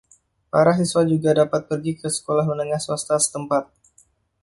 Para siswa juga dapat pergi ke sekolah menengah swasta setempat.